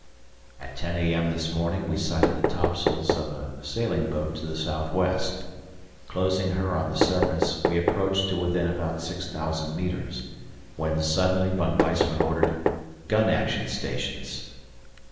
At 10 a.m. this morning we sighted the topsails of a sailing boat to the southwest. Closing her on the surface, we approached to within about 6,000 metres, when suddenly Von Weissman ordered "Gun Action Stations."